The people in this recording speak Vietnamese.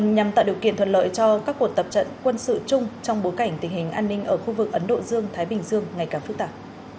nhằm tạo điều kiện thuận lợi cho các cuộc tập trận quân sự chung trong bối cảnh tình hình an ninh ở khu vực ấn độ dương thái bình dương ngày càng phức tạp